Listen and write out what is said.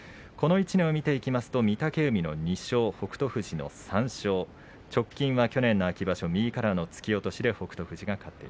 この１年を見てみますと御嶽海の２勝北勝富士の３勝直近は去年の秋場所右からの突き落としで北勝